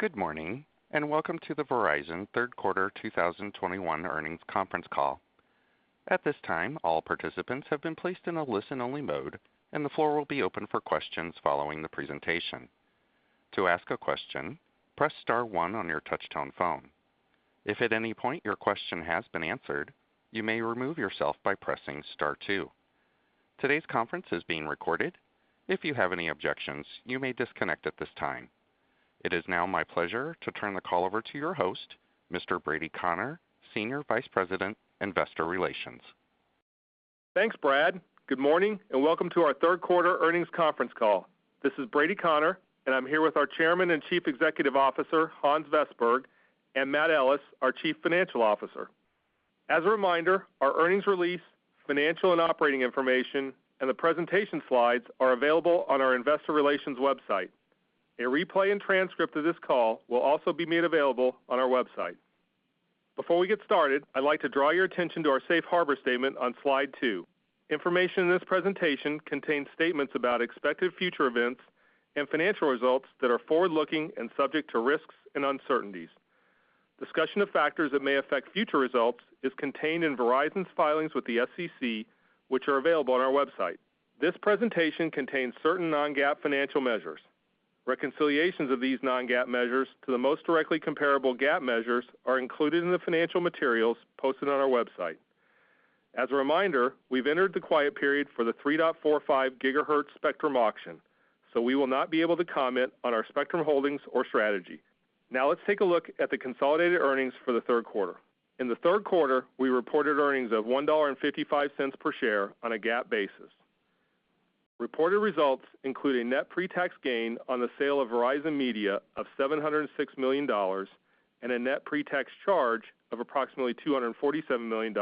Good morning, and welcome to the Verizon third quarter 2021 earnings conference call. It is now my pleasure to turn the call over to your host, Mr. Brady Connor, Senior Vice President, Investor Relations. Thanks, Brad. Good morning, and welcome to our third quarter earnings conference call. This is Brady Connor, and I'm here with our Chairman and Chief Executive Officer, Hans Vestberg, and Matt Ellis, our Chief Financial Officer. As a reminder, our earnings release, financial and operating information, and the presentation slides are available on our investor relations website. A replay and transcript of this call will also be made available on our website. Before we get started, I'd like to draw your attention to our safe harbor statement on slide two. Information in this presentation contains statements about expected future events and financial results that are forward-looking and subject to risks and uncertainties. Discussion of factors that may affect future results is contained in Verizon's filings with the SEC, which are available on our website. This presentation contains certain non-GAAP financial measures. Reconciliations of these non-GAAP measures to the most directly comparable GAAP measures are included in the financial materials posted on our website. As a reminder, we've entered the quiet period for the 3.45 GHz spectrum auction, so we will not be able to comment on our spectrum holdings or strategy. Let's take a look at the consolidated earnings for the third quarter. In the third quarter, we reported earnings of $1.55 per share on a GAAP basis. Reported results include a net pre-tax gain on the sale of Verizon Media of $706 million and a net pre-tax charge of approximately $247 million,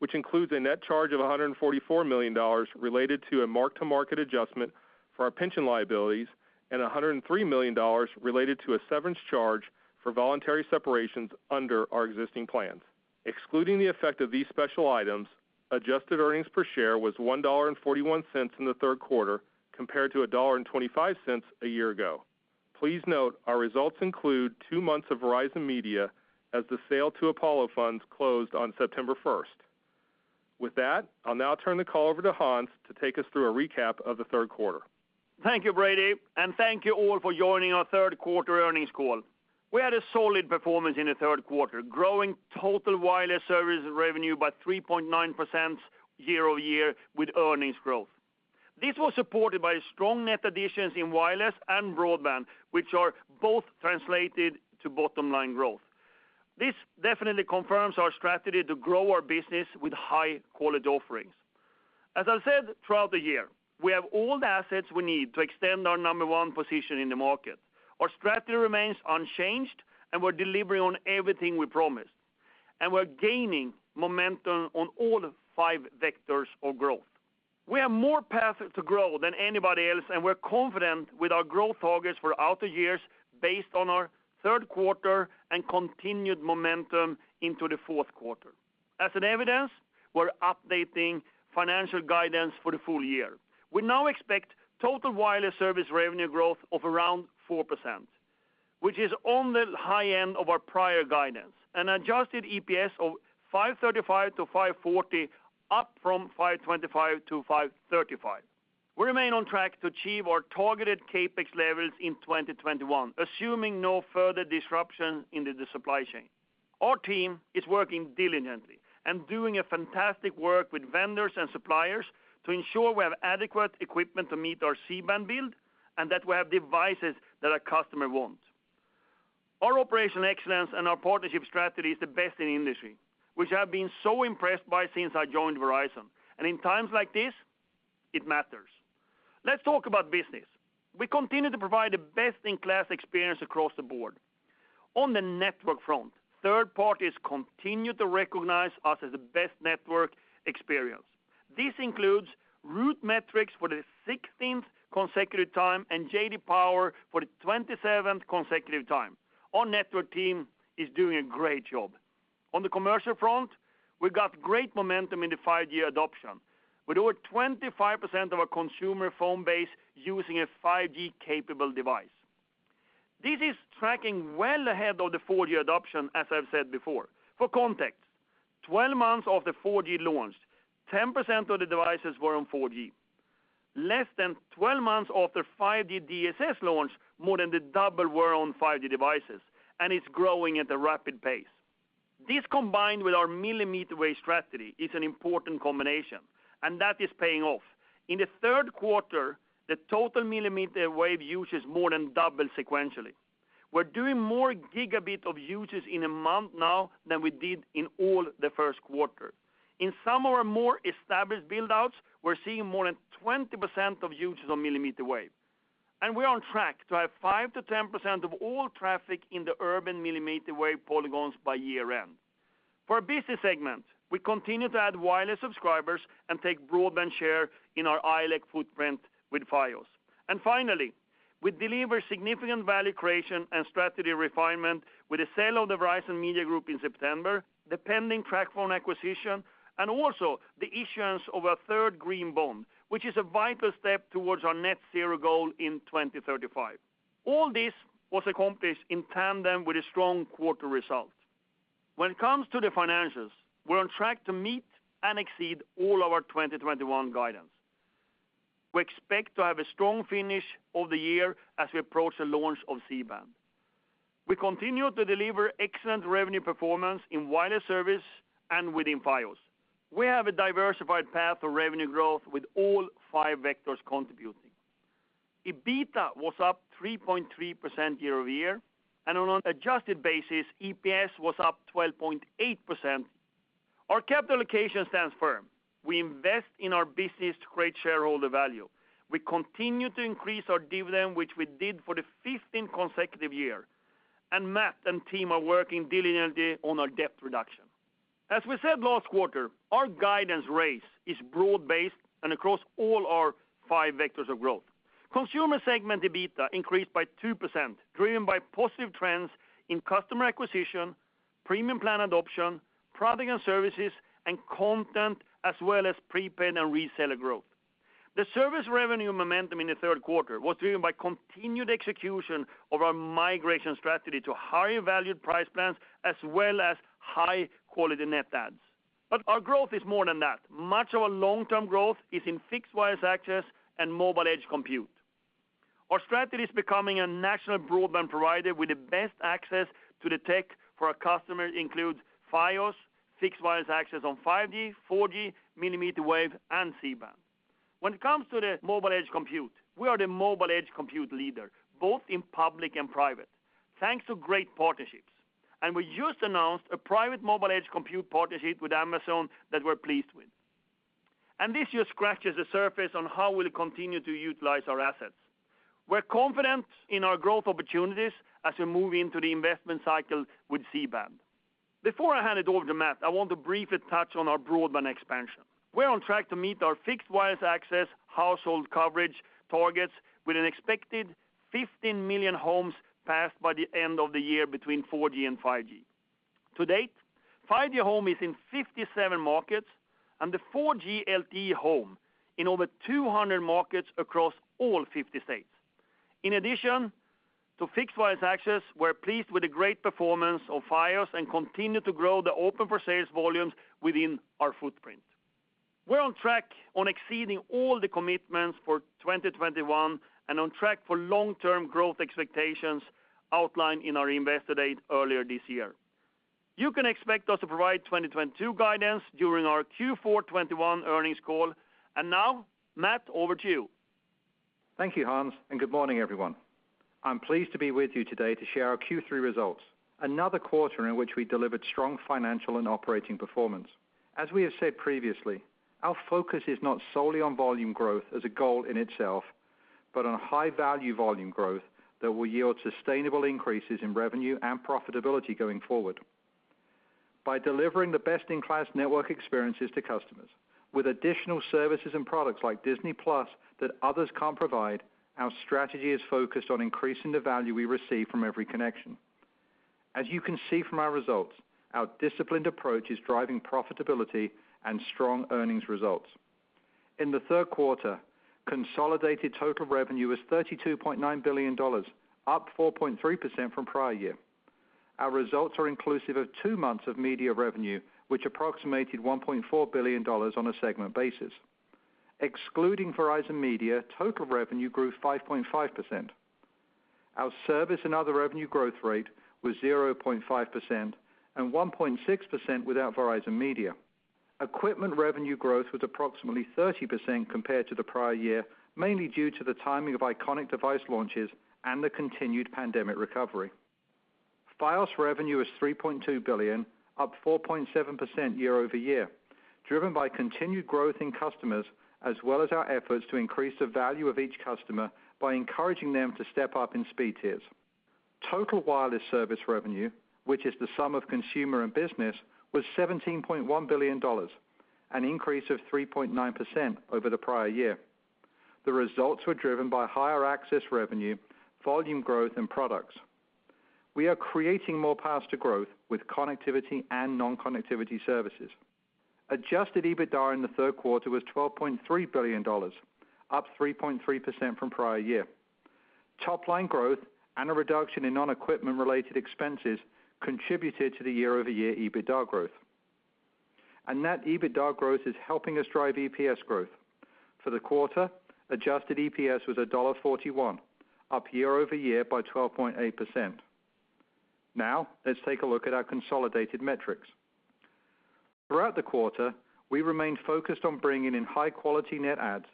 which includes a net charge of $144 million related to a mark-to-market adjustment for our pension liabilities and $103 million related to a severance charge for voluntary separations under our existing plans. Excluding the effect of these special items, adjusted earnings per share was $1.41 in the third quarter compared to $1.25 a year ago. Please note our results include two months of Verizon Media as the sale to Apollo Funds closed on September 1st. With that, I'll now turn the call over to Hans to take us through a recap of the third quarter. Thank you, Brady, and thank you all for joining our third quarter earnings call. We had a solid performance in the third quarter, growing total wireless service revenue by 3.9% year-over-year with earnings growth. This was supported by strong net additions in wireless and broadband, which are both translated to bottom-line growth. This definitely confirms our strategy to grow our business with high-quality offerings. As I said throughout the year, we have all the assets we need to extend our number one position in the market. Our strategy remains unchanged, and we're delivering on everything we promised. We're gaining momentum on all five vectors of growth. We have more paths to grow than anybody else, and we're confident with our growth targets throughout the years based on our third quarter and continued momentum into the fourth quarter. As an evidence, we're updating financial guidance for the full year. We now expect total wireless service revenue growth of around 4%, which is on the high end of our prior guidance, and adjusted EPS of $5.35-$5.40, up from $5.25-$5.35. We remain on track to achieve our targeted CapEx levels in 2021, assuming no further disruption in the supply chain. Our team is working diligently and doing a fantastic work with vendors and suppliers to ensure we have adequate equipment to meet our C-band build and that we have devices that our customer wants. Our operational excellence and our partnership strategy is the best in the industry, which I have been so impressed by since I joined Verizon. In times like this, it matters. Let's talk about business. We continue to provide a best-in-class experience across the board. On the network front, third parties continue to recognize us as the best network experience. This includes RootMetrics for the 16th consecutive time and J.D. Power for the 27th consecutive time. Our network team is doing a great job. On the commercial front, we've got great momentum in the 5G adoption, with over 25% of our consumer phone base using a 5G-capable device. This is tracking well ahead of the 4G adoption, as I've said before. For context, 12 months after 4G launch, 10% of the devices were on 4G. Less than 12 months after 5G DSS launch, more than the double were on 5G devices, and it's growing at a rapid pace. This, combined with our millimeter wave strategy, is an important combination, and that is paying off. In the third quarter, the total millimeter wave usage more than doubled sequentially. We're doing more gigabit of usage in a month now than we did in all the first quarter. In some of our more established build-outs, we're seeing more than 20% of usage on millimeter wave. We're on track to have 5%-10% of all traffic in the urban millimeter wave polygons by year-end. For our business segment, we continue to add wireless subscribers and take broadband share in our ILEC footprint with Fios. Finally, we deliver significant value creation and strategy refinement with the sale of the Verizon Media Group in September, the pending TracFone acquisition, and also the issuance of a third green bond, which is a vital step towards our net zero goal in 2035. All this was accomplished in tandem with a strong quarter result. When it comes to the financials, we're on track to meet and exceed all our 2021 guidance. We expect to have a strong finish of the year as we approach the launch of C-band. We continue to deliver excellent revenue performance in wireless service and within Fios. We have a diversified path to revenue growth with all five vectors contributing. EBITDA was up 3.3% year-over-year, and on an adjusted basis, EPS was up 12.8%. Our capital allocation stands firm. We invest in our business to create shareholder value. We continue to increase our dividend, which we did for the 15th consecutive year, and Matt and team are working diligently on our debt reduction. As we said last quarter, our guidance range is broad-based and across all our five vectors of growth. Consumer segment EBITDA increased by 2%, driven by positive trends in customer acquisition, premium plan adoption, product and services, and content, as well as prepaid and reseller growth. The service revenue momentum in the third quarter was driven by continued execution of our migration strategy to higher valued price plans, as well as high-quality net adds. Our growth is more than that. Much of our long-term growth is in fixed wireless access and mobile edge compute. Our strategy is becoming a national broadband provider with the best access to the tech for our customers includes Fios, fixed wireless access on 5G, 4G, millimeter wave, and C-band. When it comes to the mobile edge compute, we are the mobile edge compute leader, both in public and private, thanks to great partnerships. We just announced a private mobile edge compute partnership with Amazon that we're pleased with. This just scratches the surface on how we'll continue to utilize our assets. We're confident in our growth opportunities as we move into the investment cycle with C-band. Before I hand it over to Matt, I want to briefly touch on our fixed wireless access expansion. We're on track to meet our fixed wireless access household coverage targets with an expected 15 million homes passed by the end of the year between 4G and 5G. To date, 5G Home is in 57 markets and the 4G LTE Home in over 200 markets across all 50 states. In addition to fixed wireless access, we're pleased with the great performance of Fios and continue to grow the open for sales volumes within our footprint. We're on track on exceeding all the commitments for 2021 and on track for long-term growth expectations outlined in our Investor Day earlier this year. You can expect us to provide 2022 guidance during our Q4 2021 earnings call. Now, Matt, over to you. Thank you, Hans, and good morning, everyone. I'm pleased to be with you today to share our Q3 results, another quarter in which we delivered strong financial and operating performance. As we have said previously, our focus is not solely on volume growth as a goal in itself, but on high-value volume growth that will yield sustainable increases in revenue and profitability going forward. By delivering the best-in-class network experiences to customers with additional services and products like Disney+ that others can't provide, our strategy is focused on increasing the value we receive from every connection. As you can see from our results, our disciplined approach is driving profitability and strong earnings results. In the third quarter, consolidated total revenue was $32.9 billion, up 4.3% from prior year. Our results are inclusive of two months of media revenue, which approximated $1.4 billion on a segment basis. Excluding Verizon Media, total revenue grew 5.5%. Our service and other revenue growth rate was 0.5% and 1.6% without Verizon Media. Equipment revenue growth was approximately 30% compared to the prior year, mainly due to the timing of iconic device launches and the continued pandemic recovery. Fios revenue is $3.2 billion, up 4.7% year-over-year, driven by continued growth in customers, as well as our efforts to increase the value of each customer by encouraging them to step up in speed tiers. Total wireless service revenue, which is the sum of consumer and business, was $17.1 billion, an increase of 3.9% over the prior year. The results were driven by higher access revenue, volume growth, and products. We are creating more paths to growth with connectivity and non-connectivity services. Adjusted EBITDA in the third quarter was $12.3 billion, up 3.3% from prior year. Top line growth and a reduction in non-equipment related expenses contributed to the year-over-year EBITDA growth. That EBITDA growth is helping us drive EPS growth. For the quarter, adjusted EPS was $1.41, up year-over-year by 12.8%. Let's take a look at our consolidated metrics. Throughout the quarter, we remained focused on bringing in high-quality net adds,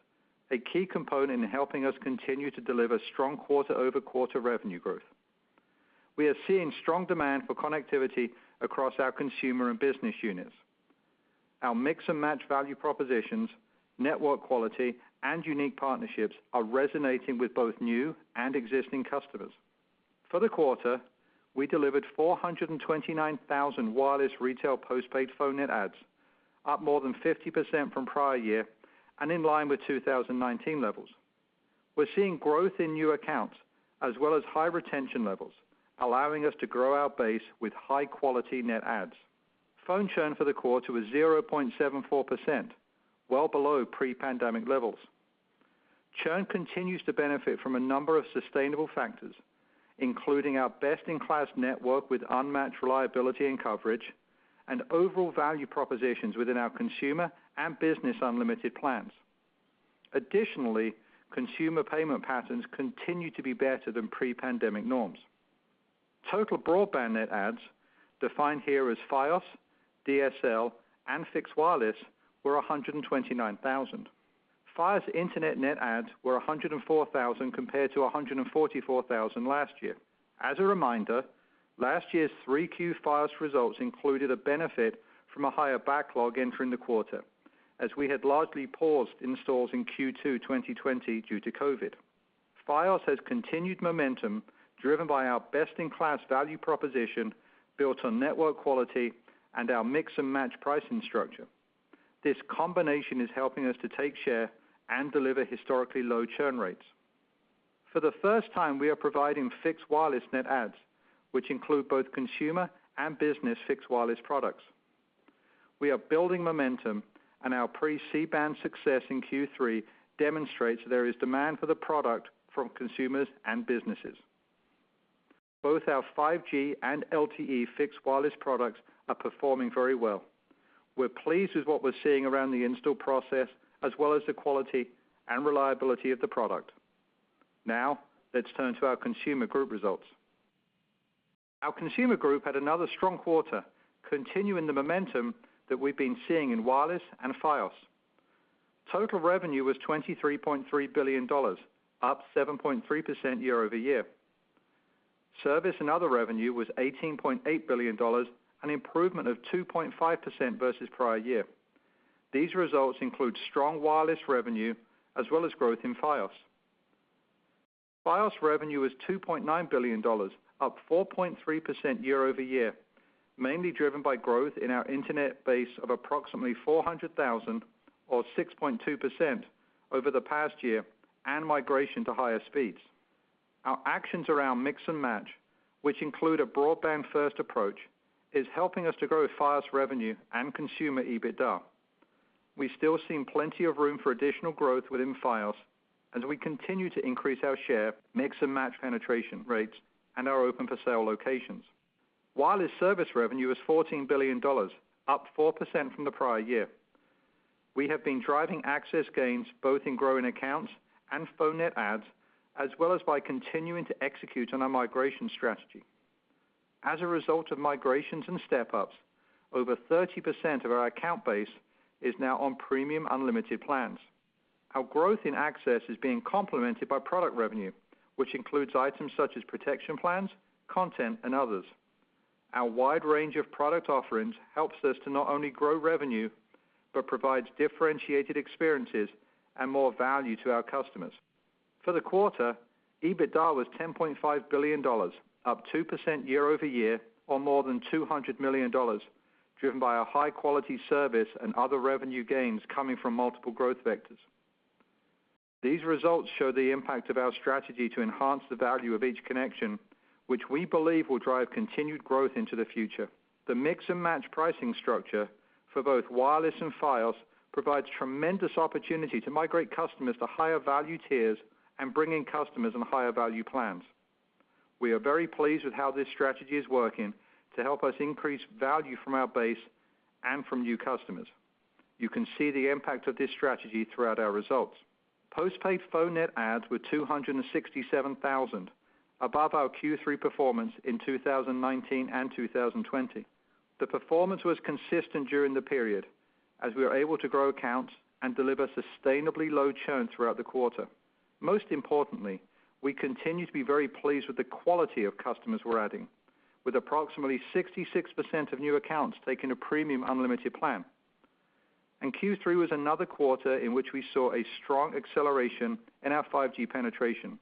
a key component in helping us continue to deliver strong quarter-over-quarter revenue growth. We are seeing strong demand for connectivity across our consumer and business units. Our mix-and-match value propositions, network quality, and unique partnerships are resonating with both new and existing customers. For the quarter, we delivered 429,000 wireless retail postpaid phone net adds, up more than 50% from prior year and in line with 2019 levels. We're seeing growth in new accounts as well as high retention levels, allowing us to grow our base with high-quality net adds. Phone churn for the quarter was 0.74%, well below pre-pandemic levels. Churn continues to benefit from a number of sustainable factors, including our best-in-class network with unmatched reliability and coverage and overall value propositions within our consumer and business unlimited plans. Additionally, consumer payment patterns continue to be better than pre-pandemic norms. Total broadband net adds, defined here as Fios, DSL, and fixed wireless, were 129,000. Fios internet net adds were 104,000 compared to 144,000 last year. As a reminder, last year's 3Q Fios results included a benefit from a higher backlog entering the quarter, as we had largely paused installs in Q2 2020 due to COVID. Fios has continued momentum driven by our best-in-class value proposition built on network quality and our mix-and-match pricing structure. This combination is helping us to take share and deliver historically low churn rates. For the first time, we are providing fixed wireless net adds, which include both consumer and Business Internet products. We are building momentum, and our pre-C-band success in Q3 demonstrates there is demand for the product from consumers and businesses. Both our 5G and LTE fixed wireless products are performing very well. We're pleased with what we're seeing around the install process, as well as the quality and reliability of the product. Now, let's turn to our Consumer Group results. Our Consumer Group had another strong quarter, continuing the momentum that we've been seeing in wireless and Fios. Total revenue was $23.3 billion, up 7.3% year-over-year. Service and other revenue was $18.8 billion, an improvement of 2.5% versus prior year. These results include strong wireless revenue as well as growth in Fios. Fios revenue was $2.9 billion, up 4.3% year-over-year, mainly driven by growth in our internet base of approximately 400,000 or 6.2% over the past year and migration to higher speeds. Our actions around mix and match, which include a broadband-first approach, is helping us to grow Fios revenue and consumer EBITDA. We still seem plenty of room for additional growth within Fios as we continue to increase our share, mix and match penetration rates, and our open-for-sale locations. Wireless service revenue was $14 billion, up 4% from the prior year. We have been driving access gains both in growing accounts and phone net adds, as well as by continuing to execute on our migration strategy. As a result of migrations and step-ups, over 30% of our account base is now on premium unlimited plans. Our growth in access is being complemented by product revenue, which includes items such as protection plans, content, and others. Our wide range of product offerings helps us to not only grow revenue, but provides differentiated experiences and more value to our customers. For the quarter, EBITDA was $10.5 billion, up 2% year-over-year or more than $200 million, driven by our high-quality service and other revenue gains coming from multiple growth vectors. These results show the impact of our strategy to enhance the value of each connection, which we believe will drive continued growth into the future. The mix-and-match pricing structure for both wireless and Fios provides tremendous opportunity to migrate customers to higher value tiers and bring in customers on higher value plans. We are very pleased with how this strategy is working to help us increase value from our base and from new customers. You can see the impact of this strategy throughout our results. Postpaid phone net adds were 267,000, above our Q3 performance in 2019 and 2020. The performance was consistent during the period as we were able to grow accounts and deliver sustainably low churn throughout the quarter. Most importantly, we continue to be very pleased with the quality of customers we're adding, with approximately 66% of new accounts taking a premium unlimited plan. Q3 was another quarter in which we saw a strong acceleration in our 5G penetration,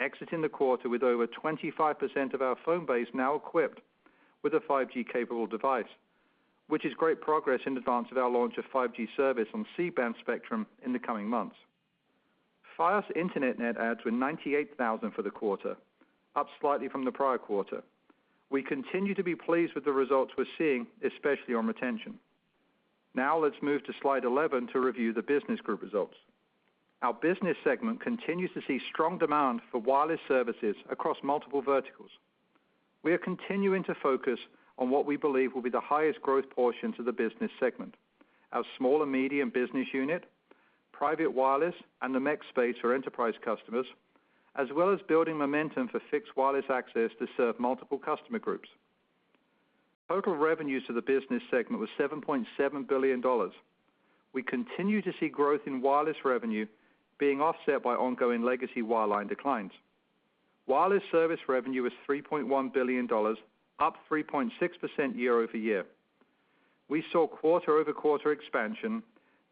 exiting the quarter with over 25% of our phone base now equipped with a 5G-capable device, which is great progress in advance of our launch of 5G service on C-band spectrum in the coming months. Fios internet net adds were 98,000 for the quarter, up slightly from the prior quarter. We continue to be pleased with the results we're seeing, especially on retention. Let's move to slide 11 to review the Business Group results. Our Business segment continues to see strong demand for wireless services across multiple verticals. We are continuing to focus on what we believe will be the highest growth portions of the Business segment, our small and medium business unit, private wireless, and the MEC space for enterprise customers, as well as building momentum for fixed wireless access to serve multiple customer groups. Total revenues to the Business segment was $7.7 billion. We continue to see growth in wireless revenue being offset by ongoing legacy wireline declines. Wireless service revenue was $3.1 billion, up 3.6% year-over-year. We saw quarter-over-quarter expansion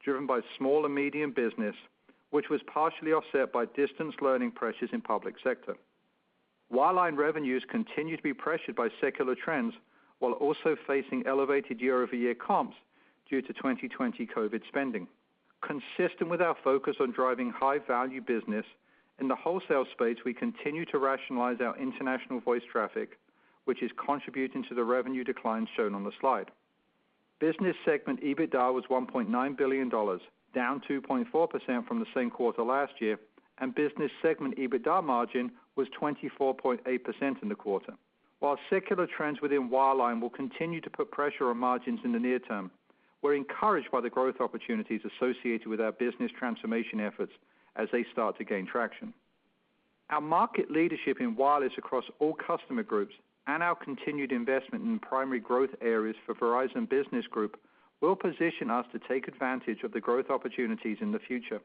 driven by small and medium business, which was partially offset by distance learning pressures in public sector. Wireline revenues continue to be pressured by secular trends while also facing elevated year-over-year comps due to 2020 COVID spending. Consistent with our focus on driving high-value business, in the wholesale space, we continue to rationalize our international voice traffic, which is contributing to the revenue declines shown on the slide. Business segment EBITDA was $1.9 billion, down 2.4% from the same quarter last year, and business segment EBITDA margin was 24.8% in the quarter. While secular trends within wireline will continue to put pressure on margins in the near term, we're encouraged by the growth opportunities associated with our business transformation efforts as they start to gain traction. Our market leadership in wireless across all customer groups and our continued investment in primary growth areas for Verizon Business Group will position us to take advantage of the growth opportunities in the future.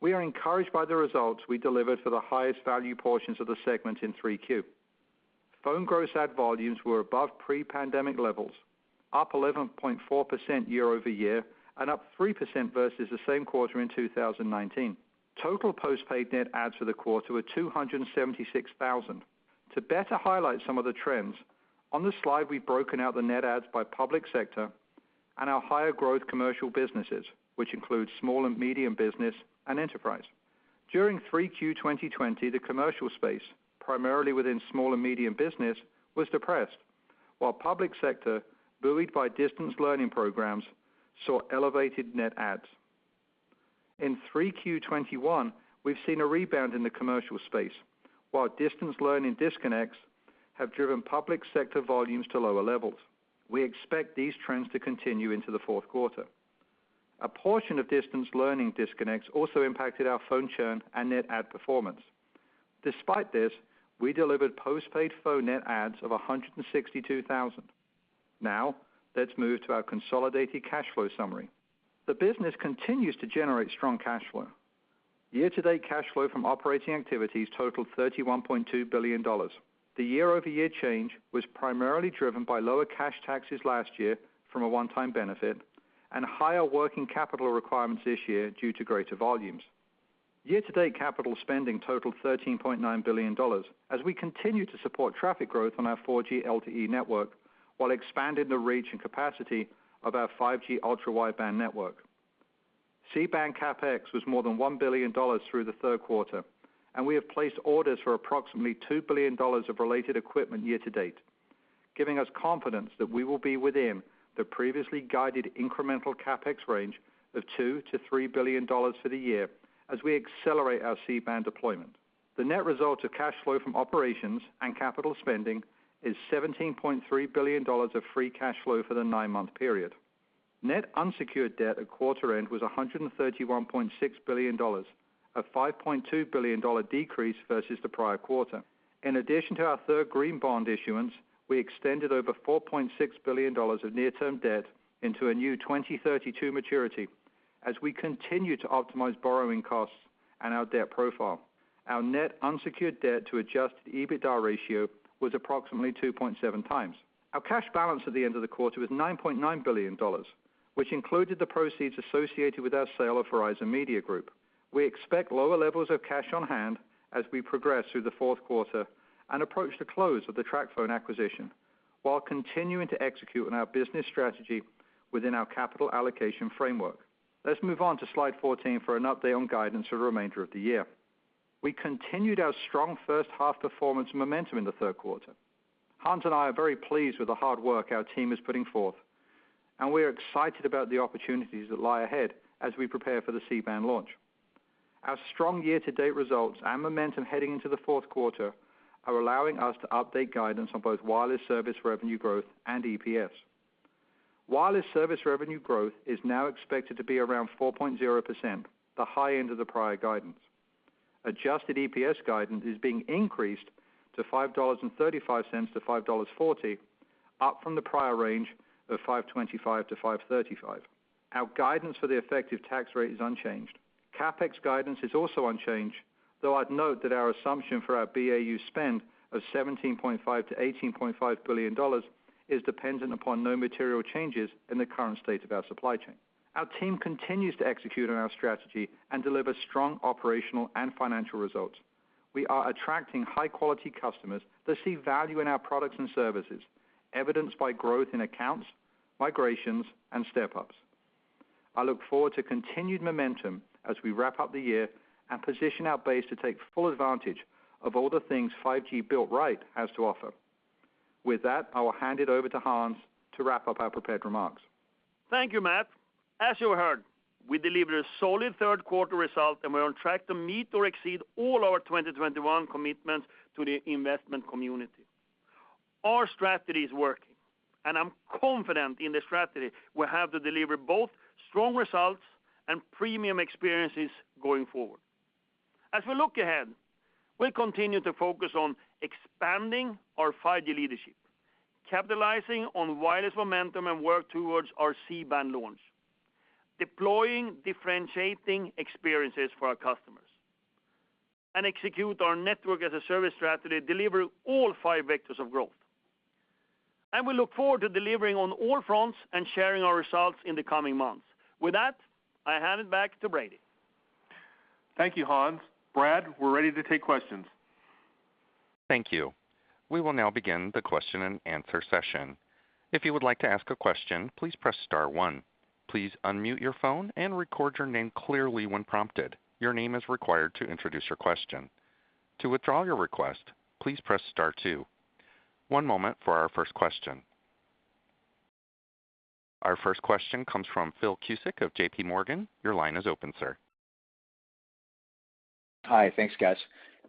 We are encouraged by the results we delivered for the highest value portions of the segment in 3Q. Phone gross add volumes were above pre-pandemic levels, up 11.4% year-over-year, and up 3% versus the same quarter in 2019. Total postpaid net adds for the quarter were 276,000. To better highlight some of the trends, on this slide, we've broken out the net adds by public sector and our higher growth commercial businesses, which include small and medium business and enterprise. During 3Q 2020, the commercial space, primarily within small and medium business, was depressed, while public sector, buoyed by distance learning programs, saw elevated net adds. In 3Q 2021, we've seen a rebound in the commercial space, while distance learning disconnects have driven public sector volumes to lower levels. We expect these trends to continue into the fourth quarter. A portion of distance learning disconnects also impacted our phone churn and net add performance. Despite this, we delivered postpaid phone net adds of 162,000. Let's move to our consolidated cash flow summary. The business continues to generate strong cash flow. Year-to-date cash flow from operating activities totaled $31.2 billion. The year-over-year change was primarily driven by lower cash taxes last year from a one-time benefit and higher working capital requirements this year due to greater volumes. Year-to-date capital spending totaled $13.9 billion as we continue to support traffic growth on our 4G LTE network while expanding the reach and capacity of our 5G Ultra Wideband network. C-band CapEx was more than $1 billion through the third quarter. We have placed orders for approximately $2 billion of related equipment year to date, giving us confidence that we will be within the previously guided incremental CapEx range of $2 billion-$3 billion for the year as we accelerate our C-band deployment. The net result of cash flow from operations and capital spending is $17.3 billion of free cash flow for the nine-month period. Net unsecured debt at quarter end was $131.6 billion, a $5.2 billion decrease versus the prior quarter. In addition to our third green bond issuance, we extended over $4.6 billion of near-term debt into a new 2032 maturity as we continue to optimize borrowing costs and our debt profile. Our net unsecured debt to adjusted EBITDA ratio was approximately 2.7 times. Our cash balance at the end of the quarter was $9.9 billion, which included the proceeds associated with our sale of Verizon Media Group. We expect lower levels of cash on hand as we progress through the fourth quarter and approach the close of the TracFone acquisition, while continuing to execute on our business strategy within our capital allocation framework. Let's move on to slide 14 for an update on guidance for the remainder of the year. We continued our strong first half performance momentum in the third quarter. Hans and I are very pleased with the hard work our team is putting forth, and we are excited about the opportunities that lie ahead as we prepare for the C-band launch. Our strong year-to-date results and momentum heading into the fourth quarter are allowing us to update guidance on both wireless service revenue growth and EPS. Wireless service revenue growth is now expected to be around 4.0%, the high end of the prior guidance. Adjusted EPS guidance is being increased to $5.35-$5.40, up from the prior range of $5.25-$5.35. Our guidance for the effective tax rate is unchanged. CapEx guidance is also unchanged, though I'd note that our assumption for our BAU spend of $17.5 billion-$18.5 billion is dependent upon no material changes in the current state of our supply chain. Our team continues to execute on our strategy and deliver strong operational and financial results. We are attracting high-quality customers that see value in our products and services, evidenced by growth in accounts, migrations, and step-ups. I look forward to continued momentum as we wrap up the year and position our base to take full advantage of all the things 5G Built Right has to offer. With that, I will hand it over to Hans to wrap up our prepared remarks. Thank you, Matt. As you heard, we delivered a solid third quarter result, and we're on track to meet or exceed all our 2021 commitments to the investment community. Our strategy is working, and I'm confident in the strategy we have to deliver both strong results and premium experiences going forward. As we look ahead, we'll continue to focus on expanding our 5G leadership, capitalizing on wireless momentum, and work towards our C-band launch, deploying differentiating experiences for our customers, and execute our network as a service strategy to deliver all five vectors of growth. We look forward to delivering on all fronts and sharing our results in the coming months. With that, I hand it back to Brady. Thank you, Hans. Brad, we're ready to take questions. Thank you. We will now begin the question and answer session. If you would like to ask a question, please press star one. Please unmute your phone and record your name clearly when prompted. To withdraw your request, please press star two. One moment for our first question. Our first question comes from Phil Cusick of JPMorgan. Hi. Thanks, guys.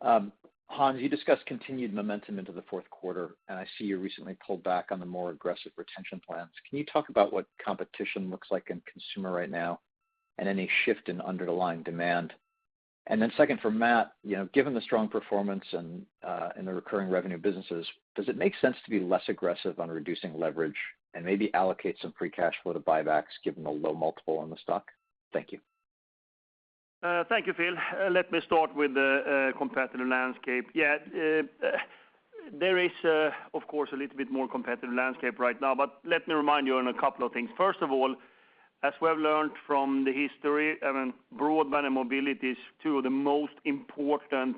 Hans, you discussed continued momentum into the fourth quarter, and I see you recently pulled back on the more aggressive retention plans. Can you talk about what competition looks like in consumer right now and any shift in underlying demand? Then second for Matt, given the strong performance in the recurring revenue businesses, does it make sense to be less aggressive on reducing leverage and maybe allocate some free cash flow to buybacks given the low multiple on the stock? Thank you. Thank you, Phil. Let me start with the competitive landscape. Yeah. There is, of course, a little bit more competitive landscape right now, but let me remind you on a couple of things. First of all, as we have learned from the history, broadband and mobility is two of the most important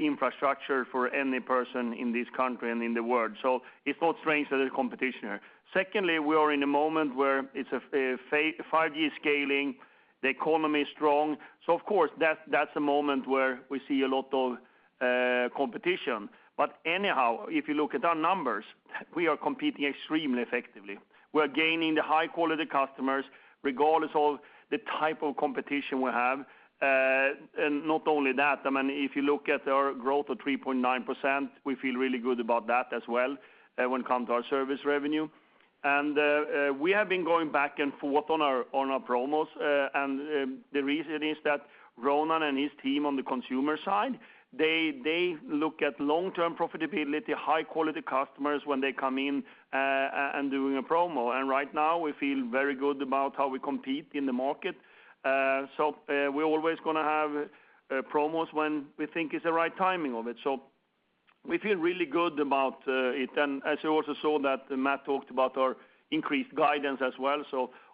infrastructure for any person in this country and in the world. It's not strange that there's competition here. Secondly, we are in a moment where it's a 5G scaling, the economy is strong. Of course, that's a moment where we see a lot of competition. Anyhow, if you look at our numbers, we are competing extremely effectively. We are gaining the high-quality customers regardless of the type of competition we have. Not only that, if you look at our growth of 3.9%, we feel really good about that as well, when it comes to our service revenue. We have been going back and forth on our promos, and the reason is that Ronan and his team on the consumer side, they look at long-term profitability, high-quality customers when they come in, and doing a promo. Right now, we feel very good about how we compete in the market. We're always going to have promos when we think it's the right timing of it. We feel really good about it. As you also saw that Matt talked about our increased guidance as well.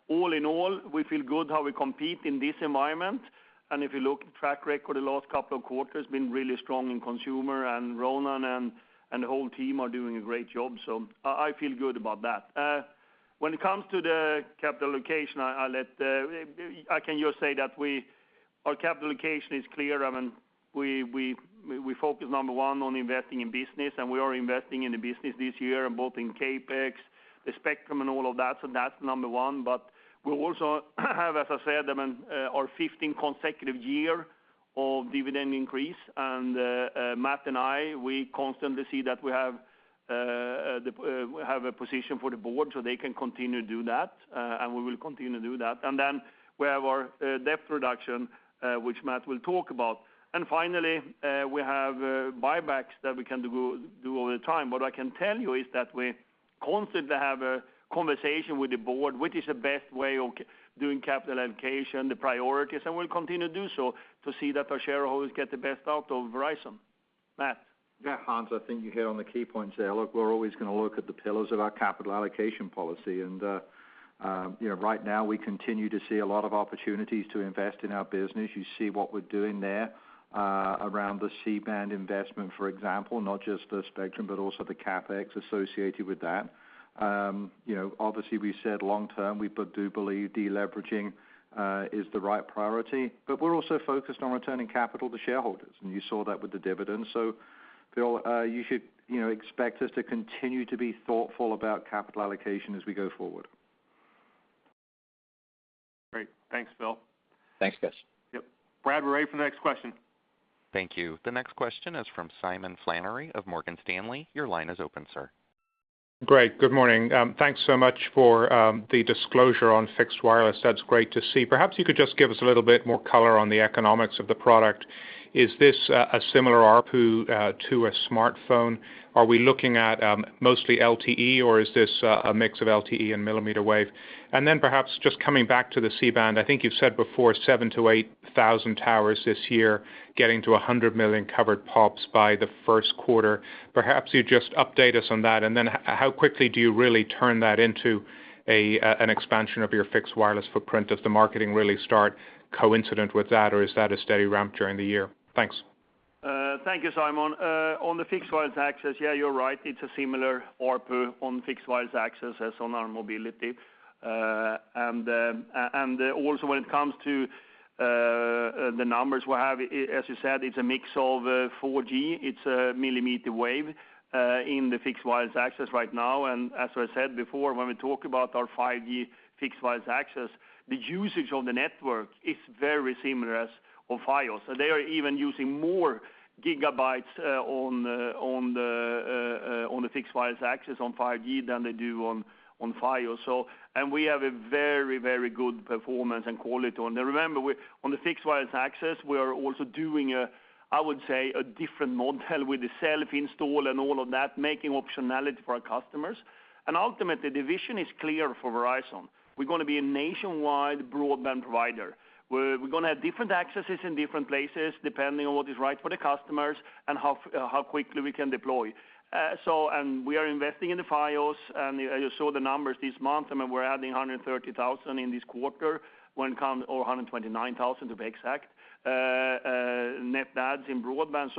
All in all, we feel good how we compete in this environment. If you look at track record, the last couple of quarters been really strong in consumer, and Ronan and the whole team are doing a great job. I feel good about that. When it comes to the capital allocation, I can just say that our capital allocation is clear. We focus, number one, on investing in business, and we are investing in the business this year, both in CapEx, the spectrum, and all of that. That's number one. We also have, as I said, our 15 consecutive year of dividend increase. Matt and I, we constantly see that we have a position for the board, so they can continue to do that, and we will continue to do that. We have our debt reduction, which Matt will talk about. Finally, we have buybacks that we can do all the time. What I can tell you is that we constantly have a conversation with the board, what is the best way of doing capital allocation, the priorities, and we'll continue to do so to see that our shareholders get the best out of Verizon. Matt? Yeah, Hans, I think you hit on the key points there. Look, we're always going to look at the pillars of our capital allocation policy. Right now, we continue to see a lot of opportunities to invest in our business. You see what we're doing there around the C-band investment, for example, not just the spectrum, but also the CapEx associated with that. Obviously, we said long-term, we do believe de-leveraging is the right priority, but we're also focused on returning capital to shareholders, and you saw that with the dividends. Phil, you should expect us to continue to be thoughtful about capital allocation as we go forward. Great. Thanks, Philip. Thanks, guys. Yep. Brad, we're ready for the next question. Thank you. The next question is from Simon Flannery of Morgan Stanley. Your line is open, sir. Great. Good morning. Thanks so much for the disclosure on fixed wireless. That's great to see. Perhaps you could just give us a little bit more color on the economics of the product. Is this a similar ARPU to a smartphone? Are we looking at mostly LTE, or is this a mix of LTE and millimeter wave? Perhaps just coming back to the C-band, I think you've said before 7,000-8,000 towers this year, getting to 100 million covered POPs by the first quarter. Perhaps you just update us on that, and then how quickly do you really turn that into an expansion of your fixed wireless footprint? Does the marketing really start coincident with that, or is that a steady ramp during the year? Thanks. Thank you, Simon. On the fixed wireless access, yeah, you're right. It is a similar ARPU on fixed wireless access as on our mobility. Also, when it comes to the numbers we have, as you said, it is a mix of 4G, it is millimeter wave in the fixed wireless access right now. As I said before, when we talk about our 5G fixed wireless access, the usage on the network is very similar as on Fios. They are even using more gigabytes on the fixed wireless access on 5G than they do on Fios. We have a very good performance and quality on there. Remember, on the fixed wireless access, we are also doing, I would say, a different model with the self-install and all of that, making optionality for our customers. Ultimately, the vision is clear for Verizon. We are going to be a nationwide broadband provider. We're going to have different accesses in different places, depending on what is right for the customers and how quickly we can deploy. We are investing in the Fios, and you saw the numbers this month. We're adding 130,000 in this quarter, or 129,000 to be exact, net adds in broadband.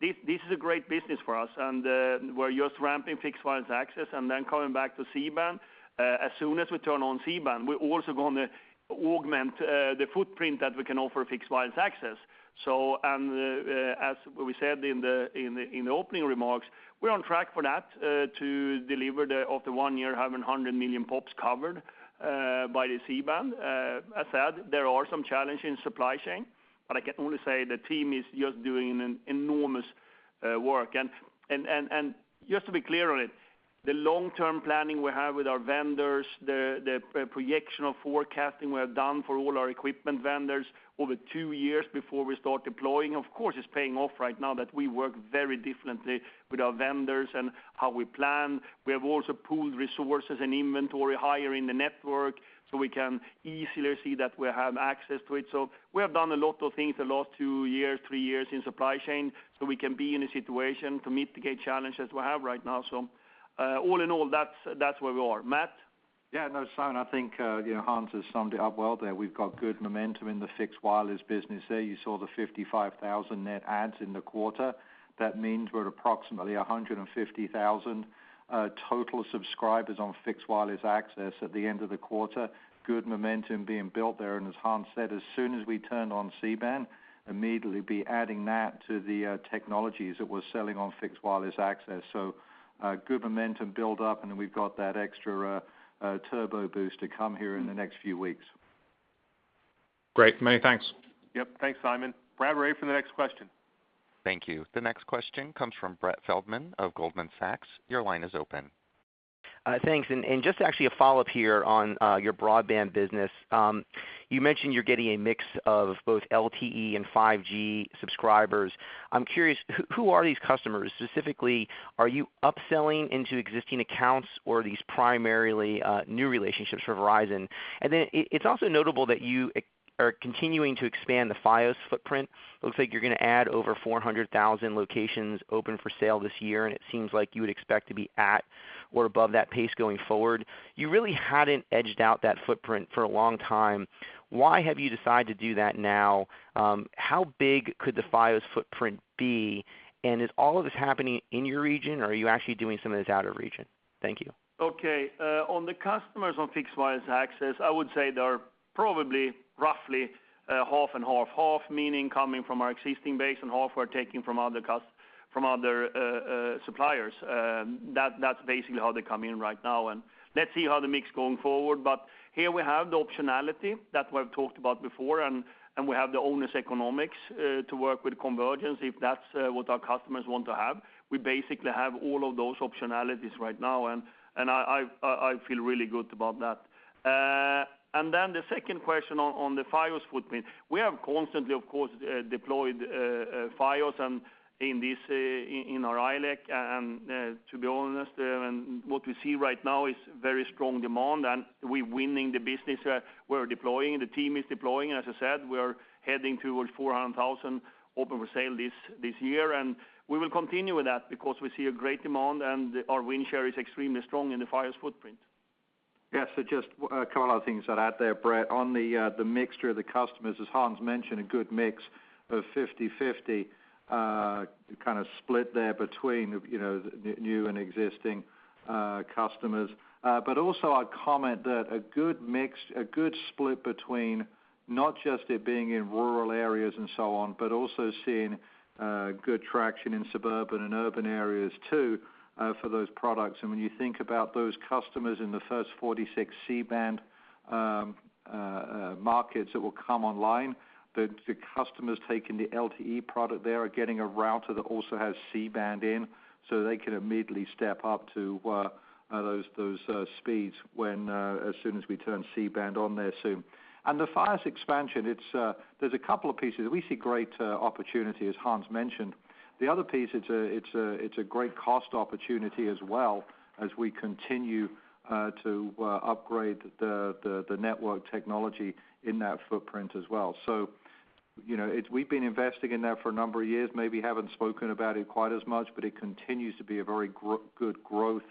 This is a great business for us, and we're just ramping fixed wireless access and then coming back to C-band. As soon as we turn on C-band, we're also going to augment the footprint that we can offer fixed wireless access. As we said in the opening remarks, we're on track for that to deliver after one year, having 100 million POPs covered by the C-band. As said, there are some challenges in supply chain, but I can only say the team is just doing enormous work. Just to be clear on it, the long-term planning we have with our vendors, the projection of forecasting we have done for all our equipment vendors over two years before we start deploying, of course, it's paying off right now that we work very differently with our vendors and how we plan. We have also pooled resources and inventory higher in the network so we can easily see that we have access to it. We have done a lot of things the last two years, three years in supply chain, so we can be in a situation to mitigate challenges we have right now. All in all, that's where we are. Matt? No, Simon, I think Hans has summed it up well there. We've got good momentum in the fixed wireless business there. You saw the 55,000 net adds in the quarter. That means we're at approximately 150,000 total subscribers on fixed wireless access at the end of the quarter. Good momentum being built there, and as Hans said, as soon as we turn on C-band, immediately be adding that to the technologies that we're selling on fixed wireless access. Good momentum build up and then we've got that extra turbo boost to come here in the next few weeks. Great. Many thanks. Yep. Thanks, Simon. Operator, for the next question. Thank you. The next question comes from Brett Feldman of Goldman Sachs. Your line is open. Thanks. Just actually a follow-up here on your broadband business. You mentioned you're getting a mix of both LTE and 5G subscribers. I'm curious, who are these customers? Specifically, are you upselling into existing accounts or are these primarily new relationships for Verizon? It's also notable that you are continuing to expand the Fios footprint. Looks like you're going to add over 400,000 locations open for sale this year, and it seems like you would expect to be at or above that pace going forward. You really hadn't edged out that footprint for a long time. Why have you decided to do that now? How big could the Fios footprint be? Is all of this happening in your region, or are you actually doing some of this out of region? Thank you. Okay. On the customers on fixed wireless access, I would say there are probably roughly half and half. Half meaning coming from our existing base and half we're taking from other suppliers. That's basically how they come in right now. Let's see how the mix going forward. Here we have the optionality that we've talked about before, and we have the own economics to work with convergence if that's what our customers want to have. We basically have all of those optionalities right now, and I feel really good about that. Then the second question on the Fios footprint, we have constantly, of course, deployed Fios and in our ILEC, to be honest. What we see right now is very strong demand, and we're winning the business. We're deploying. The team is deploying. As I said, we're heading towards 400,000 open for sale this year, and we will continue with that because we see a great demand and our win share is extremely strong in the Fios footprint. Yeah. Just a couple of other things to add there, Brett. On the mixture of the customers, as Hans mentioned, a good mix of 50/50 split there between new and existing customers. Also I'd comment that a good mix, a good split between not just it being in rural areas and so on, but also seeing good traction in suburban and urban areas too for those products. When you think about those customers in the first 46 C-band markets that will come online, the customers taking the LTE product there are getting a router that also has C-band in, so they can immediately step up to those speeds as soon as we turn C-band on there soon. The Fios expansion, there's a couple of pieces. We see great opportunity, as Hans mentioned. The other piece, it's a great cost opportunity as well as we continue to upgrade the network technology in that footprint as well. We've been investing in that for a number of years, maybe haven't spoken about it quite as much, but it continues to be a very good growth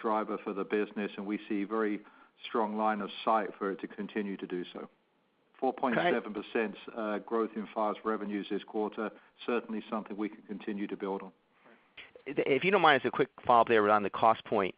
driver for the business, and we see very strong line of sight for it to continue to do so. 4.7% growth in Fios revenues this quarter, certainly something we can continue to build on. If you don't mind, just a quick follow-up there around the cost point.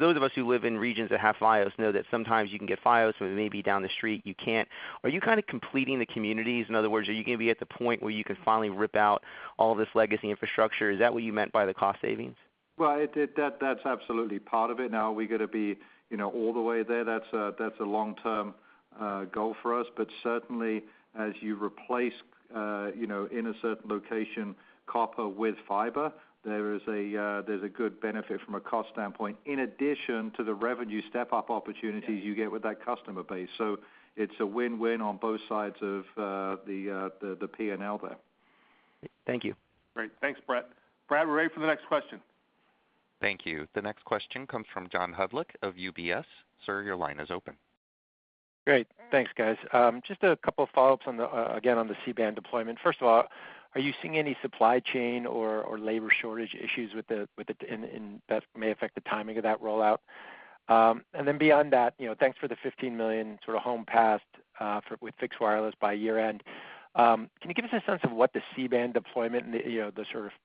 Those of us who live in regions that have Fios know that sometimes you can get Fios, but maybe down the street you can't. Are you kind of completing the communities? In other words, are you going to be at the point where you can finally rip out all this legacy infrastructure? Is that what you meant by the cost savings? Well, that's absolutely part of it. Are we going to be all the way there? That's a long-term goal for us. Certainly as you replace, in a certain location, copper with fiber, there's a good benefit from a cost standpoint in addition to the revenue step-up opportunities you get with that customer base. It's a win-win on both sides of the P&L there. Thank you. Great. Thanks, Brett. Operator, we're ready for the next question. Thank you. The next question comes from John Hodulik of UBS. Sir, your line is open. Great. Thanks, guys. Just a couple of follow-ups, again, on the C-band deployment. First of all, are you seeing any supply chain or labor shortage issues that may affect the timing of that rollout? Beyond that, thanks for the 15 million home passed with fixed wireless by year-end. Can you give us a sense of what the C-band deployment and the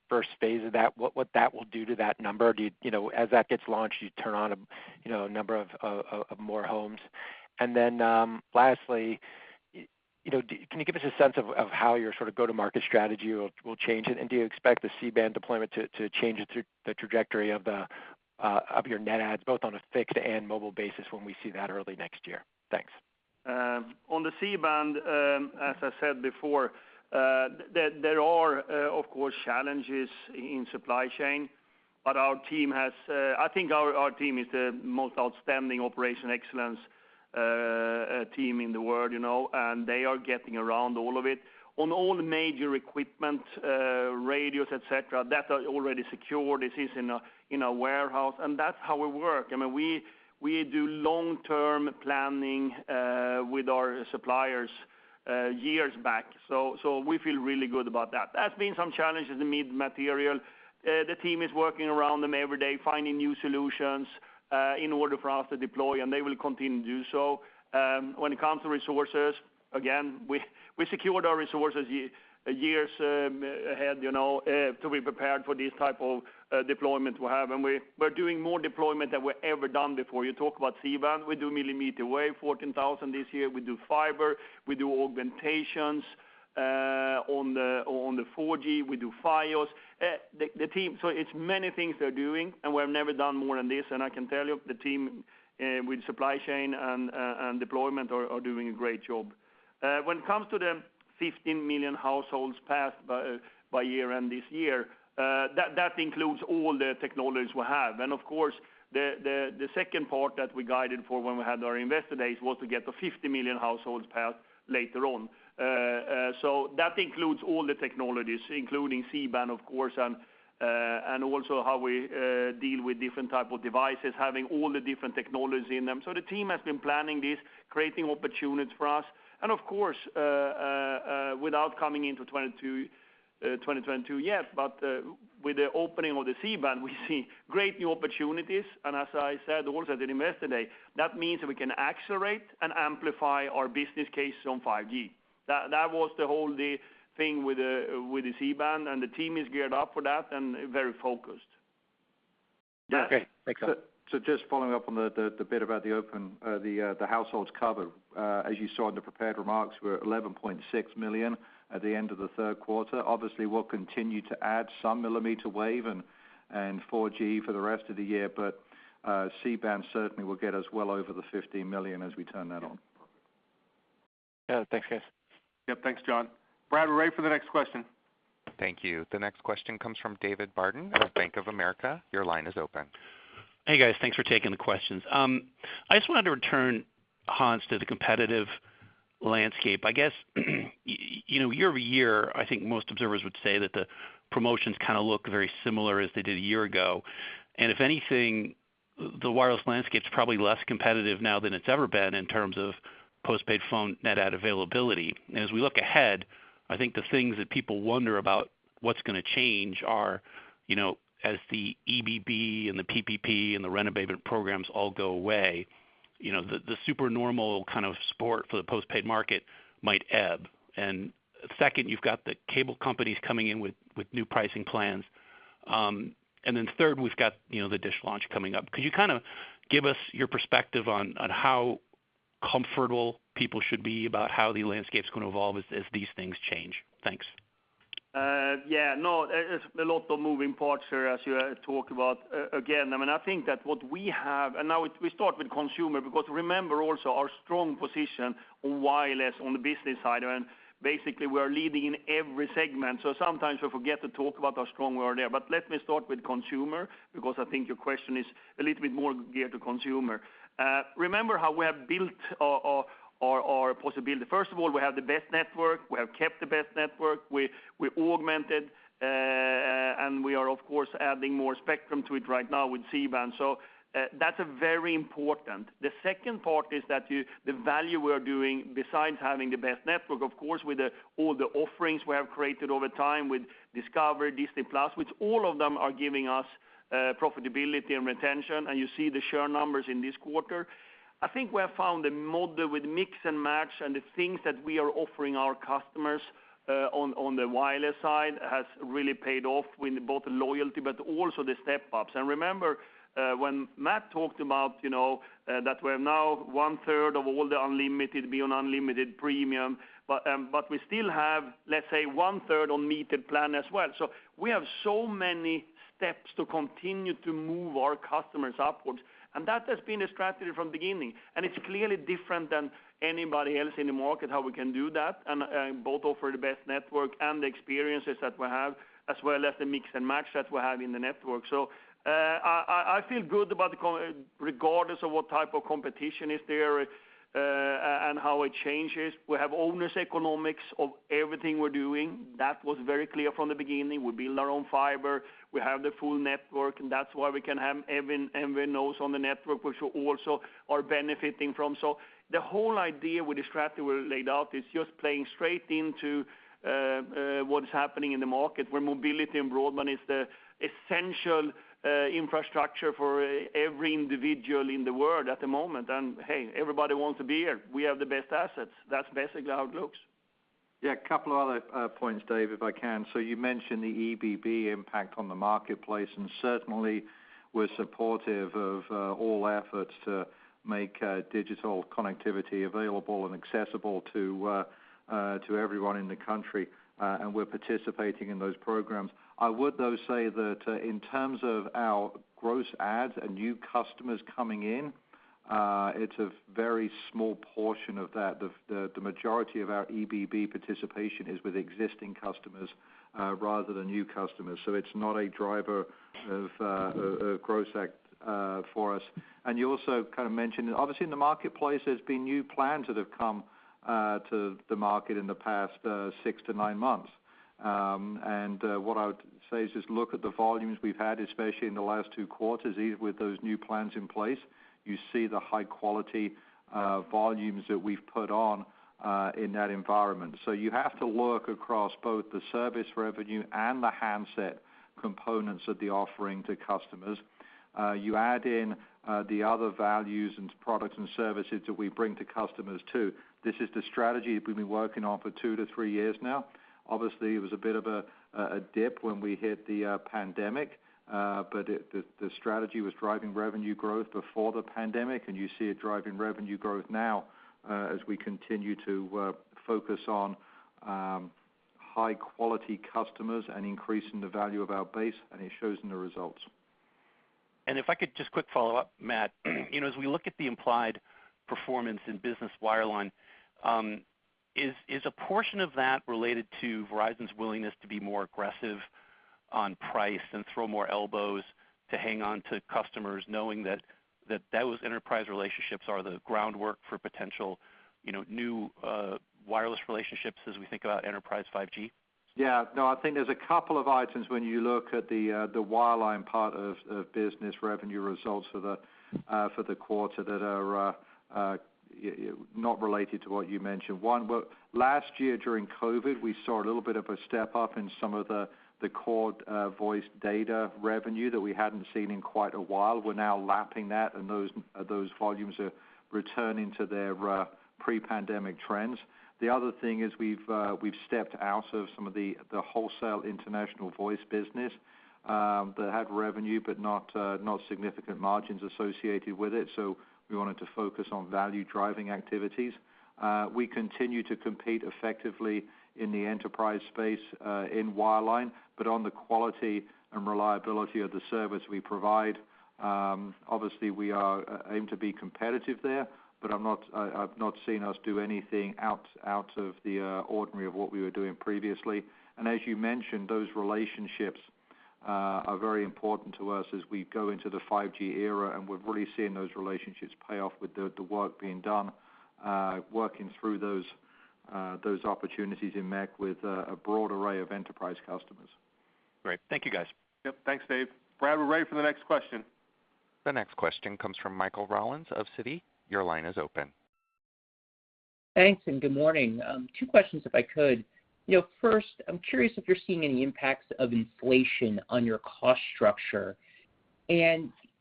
first phase of that, what that will do to that number? As that gets launched, do you turn on a number of more homes? Lastly, can you give us a sense of how your go-to-market strategy will change? Do you expect the C-band deployment to change the trajectory of your net adds, both on a fixed and mobile basis when we see that early next year? Thanks. On the C-band, as I said before, there are of course challenges in supply chain. I think our team is the most outstanding operation excellence team in the world, and they are getting around all of it. On all the major equipment, radios, et cetera, that are already secure. This is in our warehouse, and that's how we work. We do long-term planning with our suppliers years back, we feel really good about that. There's been some challenges in mid material. The team is working around them every day, finding new solutions in order for us to deploy, and they will continue to do so. When it comes to resources, again, we secured our resources years ahead to be prepared for this type of deployment we have. We're doing more deployment than we've ever done before. You talk about C-band, we do millimeter wave 14,000 this year. We do fiber, we do augmentations on the 4G, we do Fios. It's many things they're doing, and we've never done more than this, and I can tell you the team with supply chain and deployment are doing a great job. When it comes to the 15 million households passed by year-end this year, that includes all the technologies we have. Of course, the second part that we guided for when we had our Investor Day was to get to 50 million households passed later on. That includes all the technologies, including C-band, of course, and also how we deal with different type of devices, having all the different technology in them. The team has been planning this, creating opportunities for us. Of course, without coming into 2022 yet, but with the opening of the C-band, we see great new opportunities. As I said also at Investor Day, that means we can accelerate and amplify our business case on 5G. That was the whole thing with the C-band, and the team is geared up for that and very focused. Okay. Thanks. Just following up on the bit about the households cover. As you saw in the prepared remarks, we're at 11.6 million at the end of the third quarter. Obviously, we'll continue to add some millimeter wave and 4G for the rest of the year. C-band certainly will get us well over the 15 million as we turn that on. Yeah. Thanks, guys. Yep. Thanks, John. Brad, we're ready for the next question. Thank you. The next question comes from David Barden of Bank of America. Your line is open. Hey, guys. Thanks for taking the questions. I just wanted to return, Hans, to the competitive landscape. I guess year-over-year, I think most observers would say that the promotions look very similar as they did a year ago. If anything, the wireless landscape's probably less competitive now than it's ever been in terms of postpaid phone net add availability. As we look ahead, I think the things that people wonder about what's going to change are, as the EBB and the PPP and the renovation programs all go away, the super normal support for the postpaid market might ebb. Second, you've got the cable companies coming in with new pricing plans. Then third, we've got the Dish launch coming up. Could you give us your perspective on how comfortable people should be about how the landscape's going to evolve as these things change? Thanks. No, there's a lot of moving parts here as you talk about. I think that what we have, and now we start with consumer, because remember also our strong position on wireless on the business side, and basically we're leading in every segment. Sometimes we forget to talk about how strong we are there. Let me start with consumer, because I think your question is a little bit more geared to consumer. Remember how we have built our possibility. First of all, we have the best network, we have kept the best network, we augmented, and we are of course adding more spectrum to it right now with C-band. That's very important. The second part is that the value we are doing besides having the best network, of course, with all the offerings we have created over time with Discovery, Disney+, which all of them are giving us profitability and retention, and you see the share numbers in this quarter. I think we have found a model with mix and match and the things that we are offering our customers on the wireless side has really paid off with both the loyalty, but also the step-ups. Remember, when Matt talked about that we're now one-third of all the unlimited bill and unlimited premium, but we still have, let's say, one-third on metered plan as well. We have so many steps to continue to move our customers upwards, and that has been the strategy from beginning. It's clearly different than anybody else in the market, how we can do that, and both offer the best network and the experiences that we have, as well as the mix and match that we have in the network. I feel good about the call regardless of what type of competition is there and how it changes. We have owners' economics of everything we're doing. That was very clear from the beginning. We build our own fiber, we have the full network, and that's why we can have MVNOs on the network, which we also are benefiting from. The whole idea with the strategy we laid out is just playing straight into what is happening in the market, where mobility and broadband is the essential infrastructure for every individual in the world at the moment. Hey, everybody wants to be here. We have the best assets. That's basically how it looks. Yeah, a couple of other points, Dave, if I can. You mentioned the EBB impact on the marketplace, and certainly we're supportive of all efforts to make digital connectivity available and accessible to everyone in the country, and we're participating in those programs. I would, though, say that in terms of our gross adds and new customers coming in, it's a very small portion of that. The majority of our EBB participation is with existing customers rather than new customers. It's not a driver of growth for us. You also kind of mentioned, obviously in the marketplace, there's been new plans that have come to the market in the past six to nine months. What I would say is just look at the volumes we've had, especially in the last two quarters, with those new plans in place. You see the high-quality volumes that we've put on in that environment. You have to look across both the service revenue and the handset components of the offering to customers. You add in the other values and products and services that we bring to customers, too. This is the strategy that we've been working on for two to three years now. Obviously, it was a bit of a dip when we hit the pandemic, but the strategy was driving revenue growth before the pandemic, and you see it driving revenue growth now as we continue to focus on high-quality customers and increasing the value of our base, and it shows in the results. If I could just quick follow-up, Matt. As we look at the implied performance in business wireline, is a portion of that related to Verizon's willingness to be more aggressive on price and throw more elbows to hang on to customers, knowing that those enterprise relationships are the groundwork for potential new wireless relationships as we think about enterprise 5G? Yeah. No, I think there's a couple of items when you look at the wireline part of business revenue results for the quarter that are not related to what you mentioned. One, last year during COVID, we saw a little bit of a step-up in some of the core voice data revenue that we hadn't seen in quite a while. We're now lapping that, and those volumes are returning to their pre-pandemic trends. The other thing is we've stepped out of some of the wholesale international voice business that had revenue, but not significant margins associated with it, so we wanted to focus on value-driving activities. We continue to compete effectively in the enterprise space in wireline, but on the quality and reliability of the service we provide. Obviously, we aim to be competitive there, but I've not seen us do anything out of the ordinary of what we were doing previously. As you mentioned, those relationships are very important to us as we go into the 5G era, and we're really seeing those relationships pay off with the work being done, working through those opportunities in MEC with a broad array of enterprise customers. Great. Thank you, guys. Yep. Thanks, David. Brad, we're ready for the next question. The next question comes from Michael Rollins of Citi. Your line is open. Thanks. Good morning. Two questions if I could. First, I'm curious if you're seeing any impacts of inflation on your cost structure.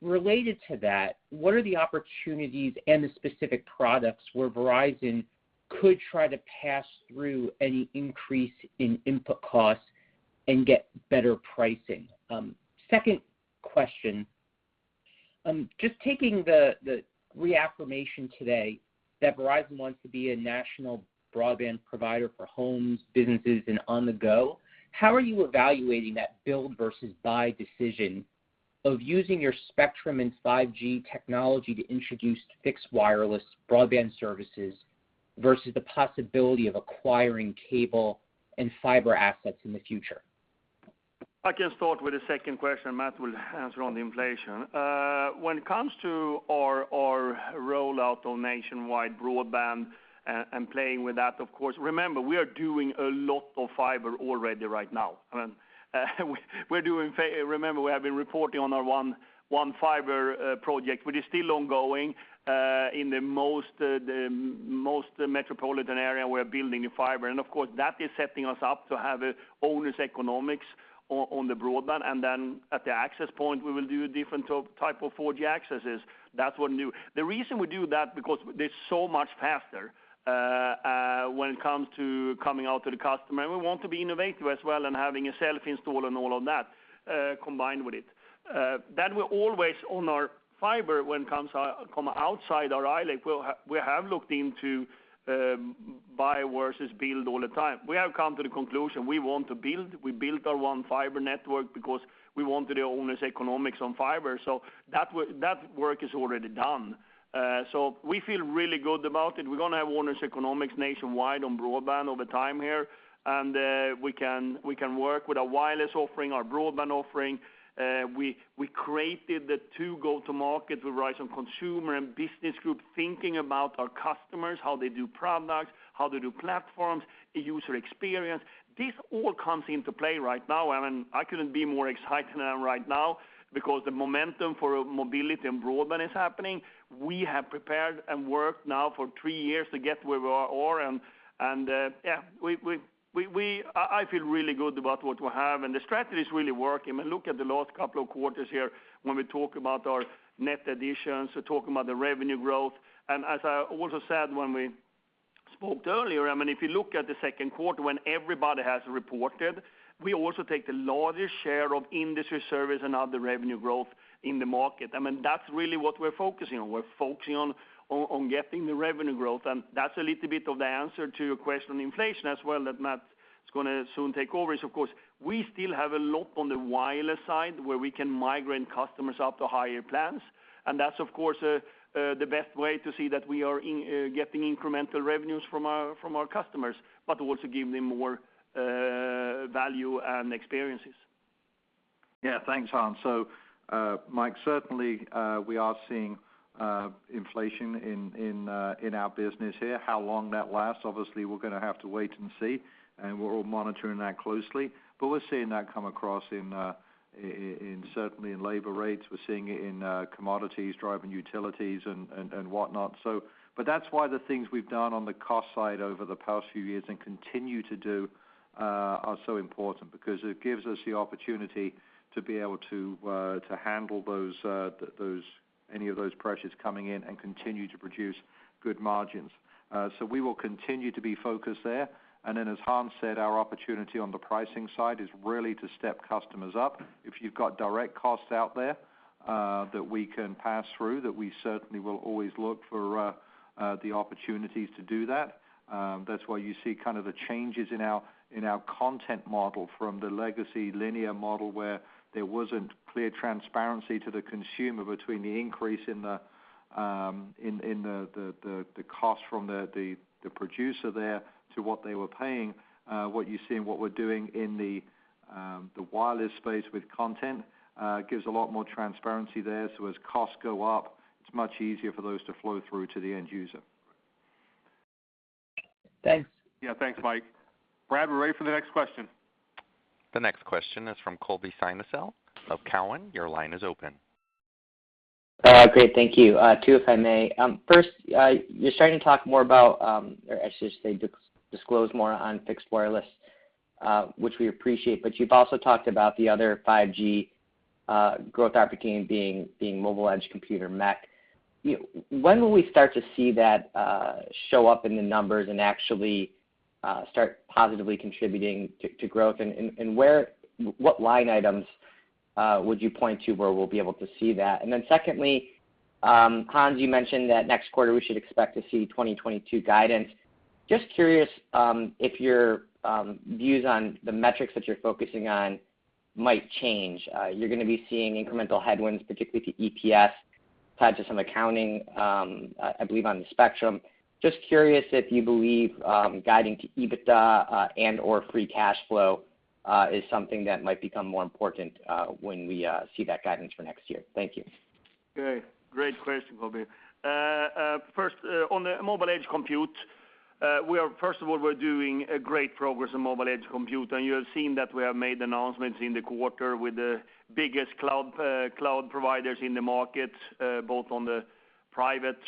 Related to that, what are the opportunities and the specific products where Verizon could try to pass through any increase in input costs and get better pricing? Second question, just taking the reaffirmation today that Verizon wants to be a national broadband provider for homes, businesses, and on the go, how are you evaluating that build versus buy decision of using your spectrum and 5G technology to introduce fixed wireless broadband services versus the possibility of acquiring cable and fiber assets in the future? I can start with the second question. Matt will answer on the inflation. When it comes to our rollout on nationwide broadband and playing with that, of course, remember, we are doing a lot of fiber already right now. Remember, we have been reporting on our One Fiber project, which is still ongoing. In the most metropolitan area, we're building fiber, and of course, that is setting us up to have owner's economics on the broadband, and then at the access point, we will do different type of 4G accesses. That's what new. The reason we do that, because it's so much faster when it comes to coming out to the customer, and we want to be innovative as well and having a self-install and all of that combined with it. We're always on our fiber when it comes outside our ILEC. We have looked into buy versus build all the time. We have come to the conclusion we want to build. We built our One Fiber network because we wanted the owner's economics on fiber. That work is already done. We feel really good about it. We're going to have owner's economics nationwide on broadband over time here, and we can work with our wireless offering, our broadband offering. We created the two go-to-markets with Verizon Consumer and Business Group, thinking about our customers, how they do products, how they do platforms, user experience. This all comes into play right now, and I couldn't be more excited right now because the momentum for mobility and broadband is happening. We have prepared and worked now for three years to get where we are, and yeah, I feel really good about what we have, and the strategy is really working. Look at the last couple of quarters here when we talk about our net additions, talk about the revenue growth. As I also said when we spoke earlier, if you look at the second quarter when everybody has reported, we also take the largest share of industry service and other revenue growth in the market. That's really what we're focusing on. We're focusing on getting the revenue growth, that's a little bit of the answer to your question on inflation as well, that Matt is going to soon take over. Of course, we still have a lot on the wireless side where we can migrate customers up to higher plans, and that's, of course, the best way to see that we are getting incremental revenues from our customers, but also give them more value and experiences. Yeah. Thanks, Hans. Mike, certainly, we are seeing inflation in our business here. How long that lasts, obviously, we're going to have to wait and see, and we're all monitoring that closely. We're seeing that come across certainly in labor rates. We're seeing it in commodities, driving utilities and whatnot. That's why the things we've done on the cost side over the past few years and continue to do are so important, because it gives us the opportunity to be able to handle any of those pressures coming in and continue to produce good margins. We will continue to be focused there. As Hans said, our opportunity on the pricing side is really to step customers up. If you've got direct costs out there that we can pass through, that we certainly will always look for the opportunities to do that. That's why you see the changes in our content model from the legacy linear model, where there wasn't clear transparency to the consumer between the increase in the cost from the producer there to what they were paying. What you see and what we're doing in the wireless space with content gives a lot more transparency there. As costs go up, it's much easier for those to flow through to the end user. Thanks. Yeah. Thanks, Mike. Brad, we're ready for the next question. The next question is from Colby Synesael of Cowen. Your line is open. Great. Thank you. Two, if I may. First, you're starting to talk more about, or I should say, disclose more on fixed wireless, which we appreciate, but you've also talked about the other 5G growth opportunity being mobile edge compute or MEC. When will we start to see that show up in the numbers and actually start positively contributing to growth? What line items would you point to where we'll be able to see that? Secondly, Hans, you mentioned that next quarter, we should expect to see 2022 guidance. Just curious if your views on the metrics that you're focusing on might change. You're going to be seeing incremental headwinds, particularly to EPS tied to some accounting, I believe, on the spectrum. Just curious if you believe guiding to EBITDA and/or free cash flow is something that might become more important when we see that guidance for next year. Thank you. Great question, Colby. First, on the mobile edge compute, first of all, we're doing a great progress in mobile edge compute. You have seen that we have made announcements in the quarter with the biggest cloud providers in the market, both on the private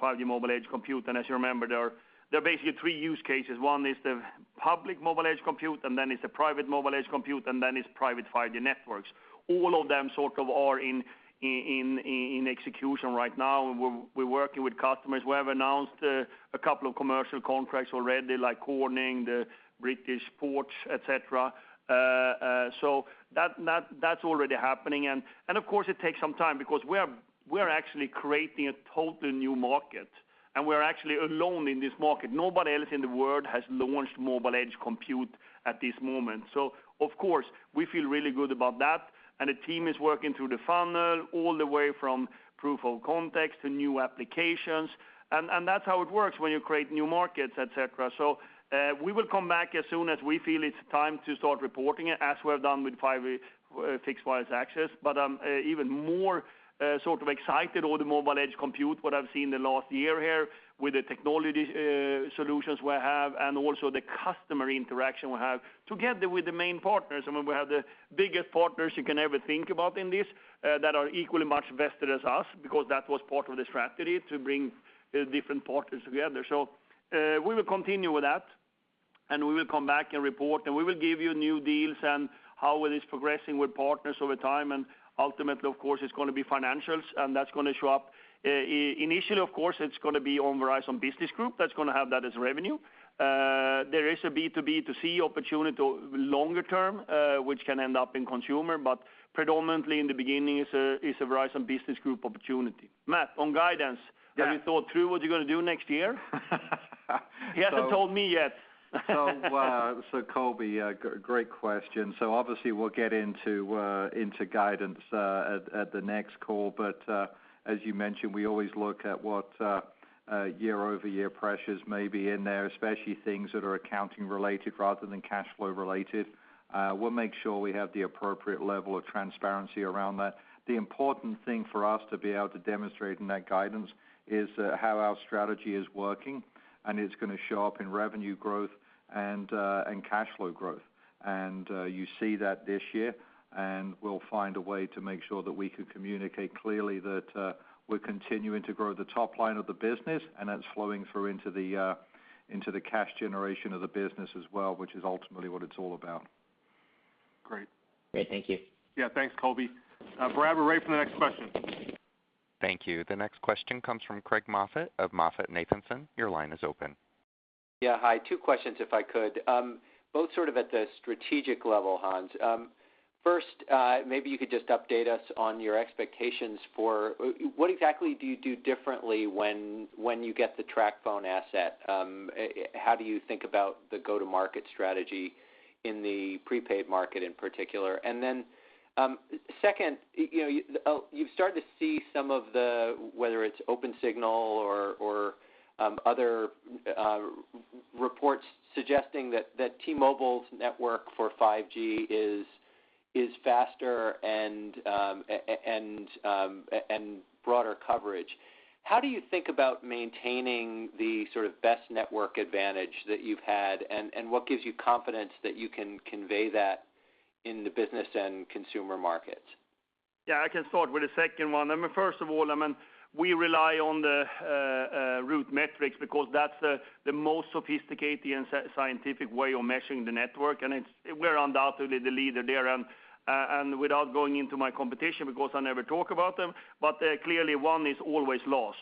5G mobile edge compute. As you remember, there are basically three use cases. One is the public mobile edge compute, and then it's the private mobile edge compute, and then it's private 5G networks. All of them sort of are in execution right now, and we're working with customers. We have announced a couple of commercial contracts already, like Corning, Associated British Ports, et cetera. That's already happening. Of course, it takes some time because we're actually creating a totally new market, and we're actually alone in this market. Nobody else in the world has launched mobile edge compute at this moment. Of course, we feel really good about that, and the team is working through the funnel all the way from proof of concept to new applications. That's how it works when you create new markets, et cetera. We will come back as soon as we feel it's time to start reporting it, as we have done with fixed wireless access. I'm even more sort of excited on the mobile edge compute, what I've seen in the last year here with the technology solutions we have and also the customer interaction we have together with the main partners. We have the biggest partners you can ever think about in this that are equally much vested as us, because that was part of the strategy to bring different partners together. We will continue with that, and we will come back and report, and we will give you new deals and how it is progressing with partners over time. Ultimately, of course, it's going to be financials, and that's going to show up. Initially, of course, it's going to be on Verizon Business Group that's going to have that as revenue. There is a B2B, B2C opportunity longer term, which can end up in consumer, but predominantly in the beginning, it's a Verizon Business Group opportunity. Matt, on guidance— Yeah. —have you thought through what you're going to do next year? He hasn't told me yet. Colby, great question. Obviously we'll get into guidance at the next call. As you mentioned, we always look at what year-over-year pressures may be in there, especially things that are accounting related rather than cash flow related. We'll make sure we have the appropriate level of transparency around that. The important thing for us to be able to demonstrate in that guidance is how our strategy is working, and it's going to show up in revenue growth and cash flow growth. You see that this year, and we'll find a way to make sure that we can communicate clearly that we're continuing to grow the top line of the business, and that's flowing through into the cash generation of the business as well, which is ultimately what it's all about. Great. Great. Thank you. Yeah. Thanks, Colby. Brad, we're ready for the next question. Thank you. The next question comes from Craig Moffett of MoffettNathanson. Your line is open. Yeah. Hi. Two questions if I could. Both sort of at the strategic level, Hans. First, maybe you could just update us on your expectations for what exactly do you do differently when you get the TracFone asset? How do you think about the go-to-market strategy in the prepaid market in particular? Second, you've started to see some of the, whether it's Opensignal or other reports suggesting that T-Mobile's network for 5G is faster and broader coverage. How do you think about maintaining the sort of best network advantage that you've had, and what gives you confidence that you can convey that in the business and consumer markets? Yeah, I can start with the second one. I mean, first of all, we rely on the RootMetrics because that's the most sophisticated and scientific way of measuring the network, and we're undoubtedly the leader there. Without going into my competition, because I never talk about them, but clearly one is always lost.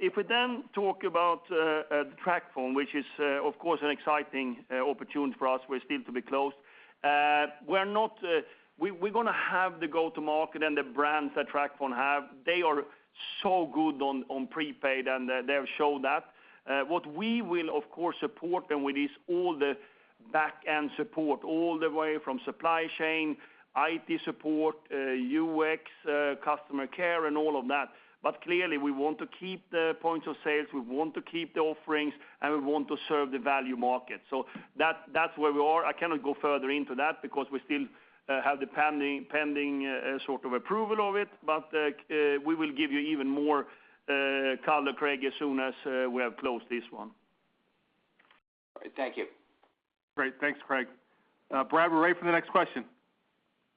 If we then talk about TracFone, which is of course, an exciting opportunity for us, we're still to be closed. We're going to have the go to market and the brands that TracFone have. They are so good on prepaid, and they've showed that. What we will, of course, support them with is all the back-end support, all the way from supply chain, IT support, UX, customer care, and all of that. Clearly, we want to keep the points of sale, we want to keep the offerings, and we want to serve the value market. That's where we are. I cannot go further into that because we still have the pending sort of approval of it. We will give you even more color, Craig, as soon as we have closed this one. Thank you. Great. Thanks, Craig. Brad, we're ready for the next question.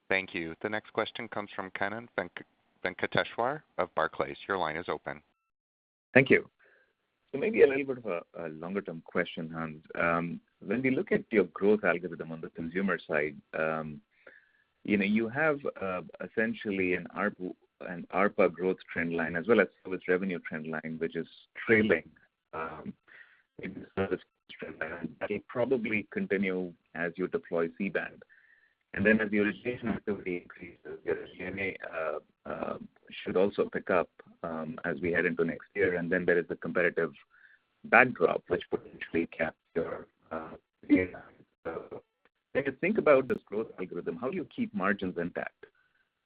Thank you. The next question comes from Kannan Venkateshwar of Barclays. Thank you. Maybe a little bit of a longer-term question, Hans. When we look at your growth algorithm on the consumer side, you have essentially an ARPA growth trend line as well as service revenue trend line, which is trailing trend line that will probably continue as you deploy C-band. As your inflation activity increases, your D&A should also pick up as we head into next year. There is a competitive backdrop which could potentially cap your. When you think about this growth algorithm, how do you keep margins intact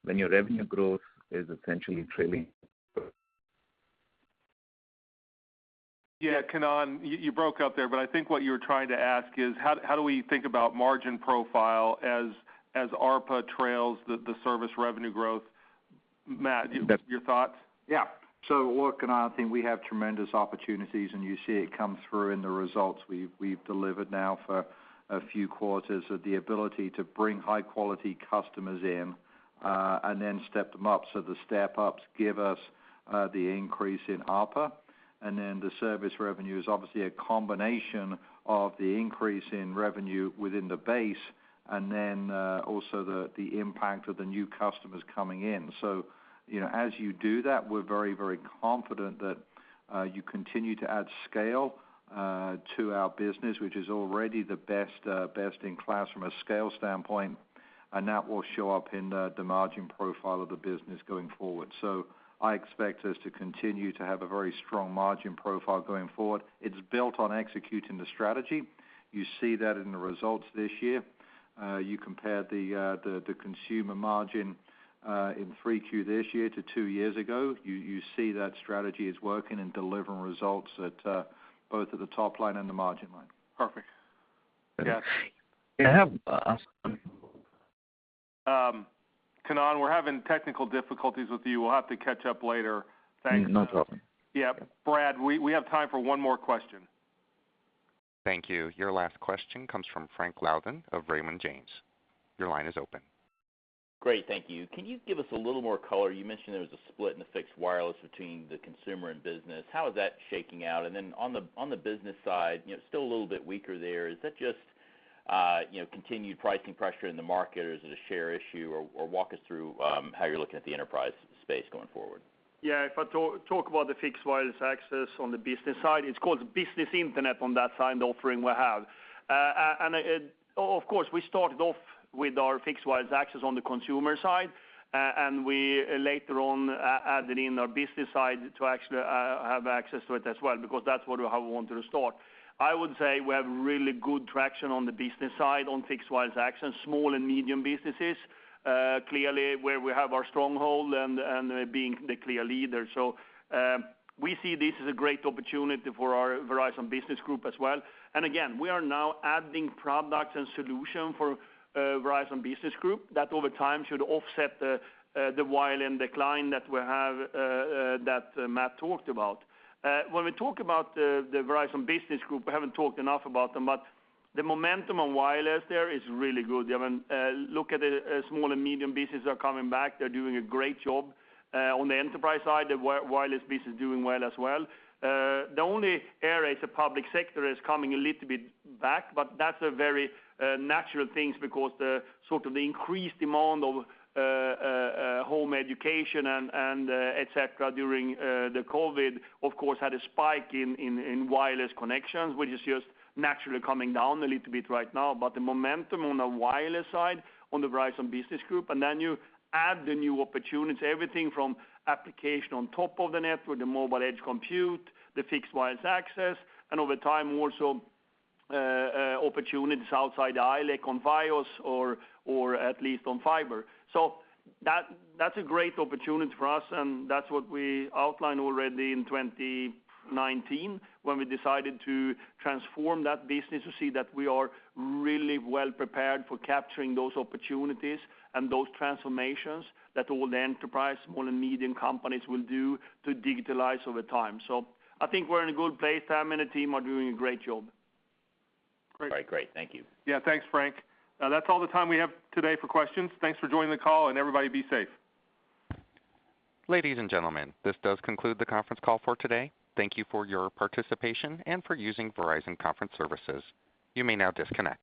when your revenue growth is essentially trailing? Yeah, Kannan, you broke up there, but I think what you were trying to ask is how do we think about margin profile as ARPA trails the service revenue growth? Matt, your thoughts? Yeah. Look, Kannan, I think we have tremendous opportunities, and you see it come through in the results we've delivered now for a few quarters of the ability to bring high-quality customers in, and then step them up. The step-ups give us the increase in ARPA, and then the service revenue is obviously a combination of the increase in revenue within the base, and then also the impact of the new customers coming in. As you do that, we're very confident that you continue to add scale to our business, which is already the best in class from a scale standpoint. That will show up in the margin profile of the business going forward. I expect us to continue to have a very strong margin profile going forward. It's built on executing the strategy. You see that in the results this year. You compare the consumer margin in 3Q this year to two years ago. You see that strategy is working and delivering results both at the top line and the margin line. Perfect. Got you. Can I have? Kannan, we're having technical difficulties with you. We'll have to catch up later. Thanks. No problem. Yeah. Brad, we have time for one more question. Thank you. Your last question comes from Frank Louthan of Raymond James. Your line is open. Great. Thank you. Can you give us a little more color? You mentioned there was a split in the fixed wireless between the consumer and business. How is that shaking out? On the business side, still a little bit weaker there. Is that just continued pricing pressure in the market, or is it a share issue, or walk us through how you're looking at the enterprise space going forward? Yeah. If I talk about the fixed wireless access on the business side, it's called Business Internet on that side, the offering we have. Of course, we started off with our fixed wireless access on the consumer side, and we later on added in our business side to actually have access to it as well, because that's how we wanted to start. I would say we have really good traction on the business side on fixed wireless access, small and medium businesses, clearly where we have our stronghold and being the clear leader. We see this as a great opportunity for our Verizon Business Group as well. Again, we are now adding products and solution for Verizon Business Group that over time should offset the decline that Matt talked about. We talk about the Verizon Business Group, we haven't talked enough about them, but the momentum on wireless there is really good. I mean, look at small and medium business are coming back. They're doing a great job. On the enterprise side, the wireless business is doing well as well. The only area is the public sector is coming a little bit back, that's a very natural thing because the increased demand of home education and et cetera during the COVID, of course, had a spike in wireless connections, which is just naturally coming down a little bit right now. The momentum on the wireless side on the Verizon Business Group, and then you add the new opportunity, everything from application on top of the network, the mobile edge compute, the fixed wireless access, and over time, more so opportunities outside the ILEC on Fios or at least on fiber. That's a great opportunity for us, and that's what we outlined already in 2019 when we decided to transform that business, you see that we are really well prepared for capturing those opportunities and those transformations that all the enterprise, small and medium companies will do to digitalize over time. I think we're in a good place. Sam and the team are doing a great job. Great. Thank you. Yeah. Thanks, Frank. That's all the time we have today for questions. Thanks for joining the call, and everybody be safe. Ladies and gentlemen, this does conclude the conference call for today. Thank you for your participation and for using Verizon Conferencing. You may now disconnect.